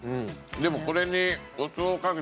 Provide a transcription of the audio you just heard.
でもこれに。